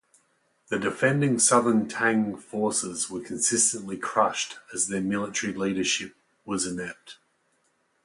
The defending Southern Tang forces were consistently crushed as their military leadership was inept.